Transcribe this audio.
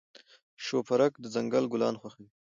شوپرک د ځنګل ګلان خوښوي.